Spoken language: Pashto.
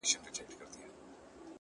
نو دغه نوري شپې بيا څه وكړمه ـ